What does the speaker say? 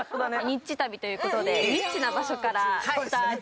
ニッチ旅ということで、ニッチな場所からスタート。